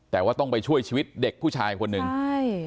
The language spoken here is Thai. แต่ว่าต้องไปช่วยชีวิตเด็กผู้ชายคนหนึ่งใช่